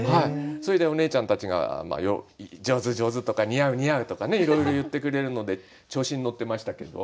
それでおねえちゃんたちが「上手上手」とか「似合う似合う」とかねいろいろ言ってくれるので調子に乗ってましたけど。